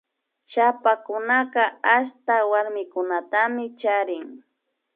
Chapakunaka ashta warmikunata charin